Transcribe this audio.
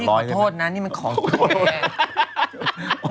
นี่ขอโทษนะมันของแก